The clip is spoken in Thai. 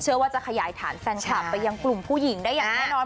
เชื่อว่าจะขยายฐานแฟนคลับไปยังกลุ่มผู้หญิงได้อย่างแน่นอน